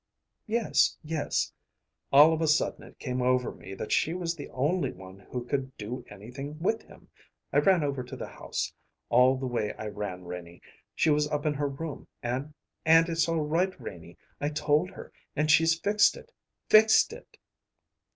"Yes, yes." "All of a sudden it came over me that she was the only one who could do anything with him. I ran over to the house all the way I ran, Renie. She was up in her room, and and it's all right, Renie. I told her, and she's fixed it fixed it!"